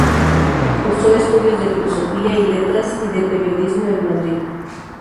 Cursó estudios de Filosofía y Letras, y de Periodismo en Madrid.